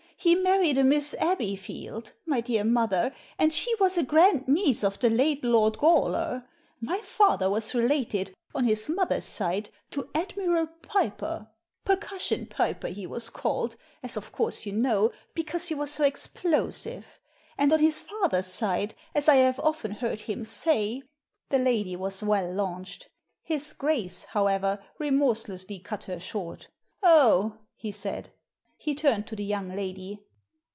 He married a Miss Abbeyfidd, my dear mother, and she was a grand niece of the late Lord Gawler. My fadier was related, on his mother's side, to Admiral Piper —* Percussion ' Piper he was called, as of course you know, because he was so explosive ; and on his father's side, as I have often heard him say The lady was well launched His Grace," how ever, remorselessly cut her short 0h!'* he said He turned to the young lady.